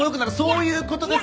そういうことです。